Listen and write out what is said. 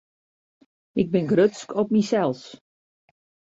Ik bin grutsk op mysels.